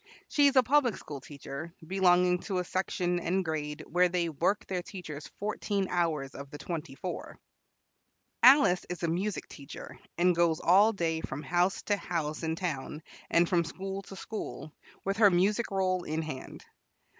She is a public school teacher, belonging to a section and grade where they work their teachers fourteen hours of the twenty four. Alice is a music teacher, and goes all day from house to house in town, and from school to school, with her music roll in hand.